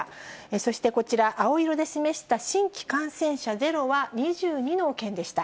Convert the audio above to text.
そしてこちら、青色で示した新規感染者ゼロは２２の県でした。